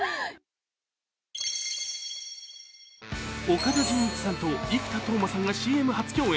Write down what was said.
岡田准一さんと生田斗真さんがＣＭ初共演。